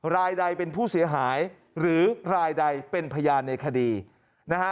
รายใดเป็นผู้เสียหายหรือรายใดเป็นพยานในคดีนะฮะ